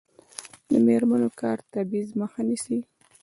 د میرمنو کار د تبعیض مخه نیسي.